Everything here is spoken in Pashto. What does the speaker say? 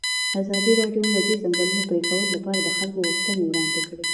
ازادي راډیو د د ځنګلونو پرېکول لپاره د خلکو غوښتنې وړاندې کړي.